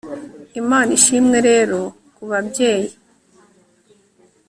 imana ishimwe rero kubabyeyi